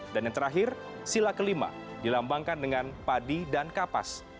dan yang terakhir sila kelima dilambangkan dengan padi dan kapas